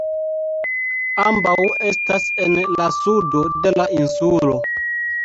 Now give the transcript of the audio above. Ambaŭ estas en la sudo de la insulo.